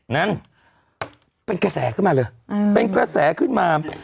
นั่นเป็นกระแสขึ้นมาเลยเป็นกระแสขึ้นมา